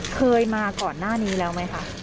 เคยมาก่อนหน้านี้แล้วไหมคะ